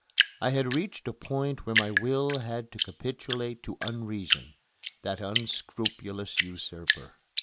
I had reached a point where my will had to capitulate to Unreason that unscrupulous usurper.